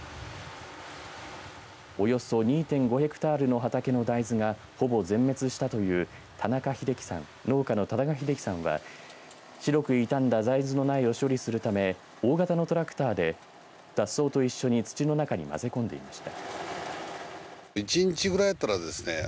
およそ２．５ヘクタールの畑の大豆がほぼ全滅したという田中秀喜さん農家の田中秀喜さんは白く傷んだ大豆の苗を処理するため大型のトラクターで雑草と一緒に土の中に混ぜ込んでいました。